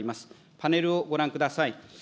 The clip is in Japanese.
パネルをご覧ください。